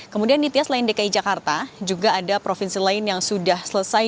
kemudian nitya selain dki jakarta juga ada provinsi lain yang sudah selesai